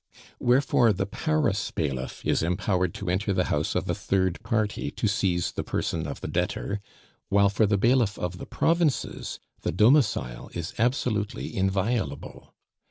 Wherefore the Paris bailiff is empowered to enter the house of a third party to seize the person of the debtor, while for the bailiff of the provinces the domicile is absolutely inviolable.